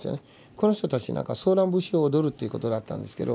この人たちなんかソーラン節を踊るっていうことだったんですけど